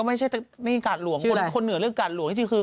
มันจะไปจูบบ่องชูกับใคร